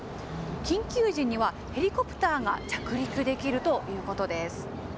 緊急時にはヘリコプターが着陸できるということです。